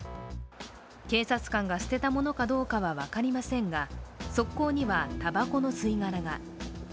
警察官が捨てたものかどうかは分かりませんが、側溝には、たばこの吸い殻が。